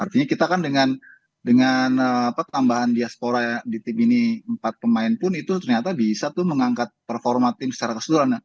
artinya kita kan dengan tambahan diaspora di tim ini empat pemain pun itu ternyata bisa tuh mengangkat performa tim secara keseluruhan